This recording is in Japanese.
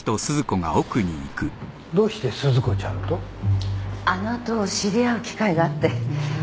どうして鈴子ちゃんと？あの後知り合う機会があって。